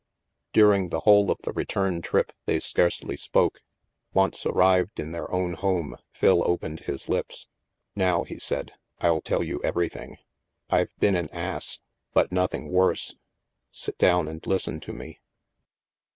During the whole of the return trip, they scarcely spoke. Once arrived in their own home, Phil opened his lips. " Now," he said. " I'll tell you everything. I've been an ass, but nothing worse. Sit down and listen to me."